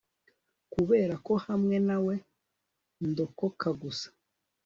kuberako hamwe nawe ndokoka gusa